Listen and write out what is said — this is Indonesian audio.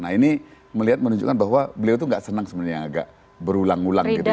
nah ini melihat menunjukkan bahwa beliau itu gak senang sebenarnya agak berulang ulang gitu ya